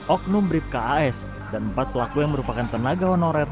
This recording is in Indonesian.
oknum bribka as dan empat pelaku yang merupakan tenaga honorer